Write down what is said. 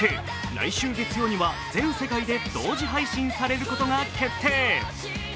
来週月曜には全世界で同時配信されることが決定。